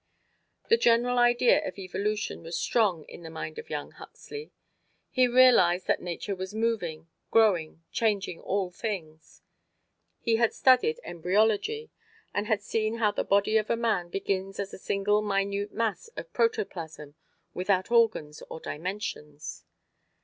The general idea of evolution was strong in the mind of young Huxley. He realized that Nature was moving, growing, changing all things. He had studied embryology, and had seen how the body of a man begins as a single minute mass of protoplasm, without organs or dimensions.